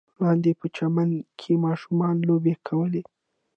لاندې په چمن کې ماشومانو لوبې کولې.